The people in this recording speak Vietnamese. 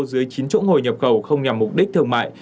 dưới chín chỗ ngồi nhập khẩu không nhằm mục đích thương mại